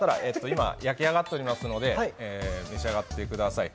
今焼き上がっておりますので召し上がってください。